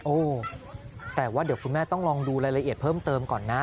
โอ้แต่ว่าเดี๋ยวคุณแม่ต้องลองดูรายละเอียดเพิ่มเติมก่อนนะ